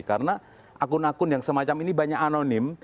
karena akun akun yang semacam ini banyak anonim